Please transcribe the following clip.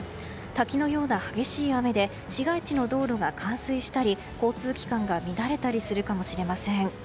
滝のような激しい雨で市街地の道路が冠水したり交通機関が乱れたりするかもしれません。